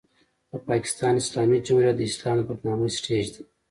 د پاکستان اسلامي جمهوریت د اسلام د بدنامۍ سټېج دی.